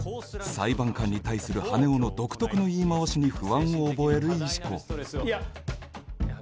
裁判官に対する羽男の独特の言い回しに不安を覚える石子いやっいや